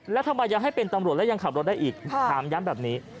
แล้วทำไมยังให้เป็นตำรวจแล้วยังขับรถได้อีกถามย้ำแบบนี้